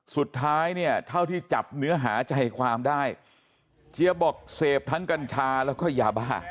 สุดท้ายเนี่ยเท่าที่จับเนื้อหาใจความได้เจี๊ยบบอกเสพทั้งกัญชาแล้วก็ยาบ้า